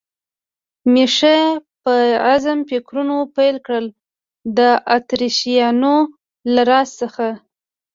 مې ښه په عزم فکرونه پیل کړل، د اتریشیانو له راز څخه.